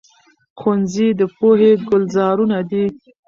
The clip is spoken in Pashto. ښوونځي د پوهې ګلزارونه دي.